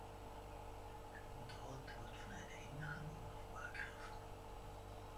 Dort wird von einer inneren Unruhe ergriffen.